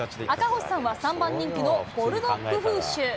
赤星さんは３番人気のボルドグフーシュ。